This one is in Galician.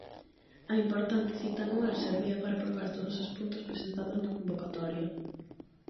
A importante cita anual servía para aprobar todos os puntos presentados na convocatoria.